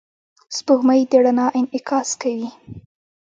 سپوږمۍ د رڼا انعکاس کوي.